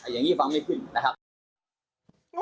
อย่างนี้ฟังไม่ขึ้นนะครับ